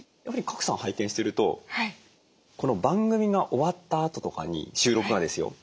やっぱり賀来さん拝見してるとこの番組が終わったあととかに収録がですよ